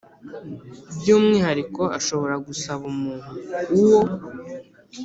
By umwihariko ashobora gusaba umuntu uwo